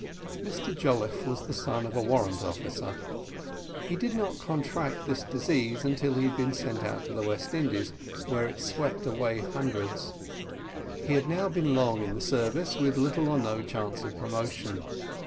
Mr Jolliffe was the son of a warrant officer. He did not contract this disease until he had been sent out to the West Indies, where it swept away hundreds. He had now been long in the service, with little or no chance of promotion.